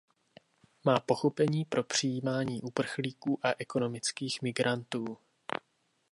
Má pochopení pro přijímání uprchlíků a ekonomických migrantů.